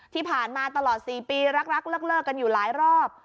ที่ผ่านมาตลอด๔ปีรักเลิกกันอยู่หลายรอบ